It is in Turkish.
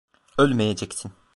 Ölmeyeceksin.